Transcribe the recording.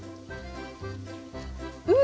うん！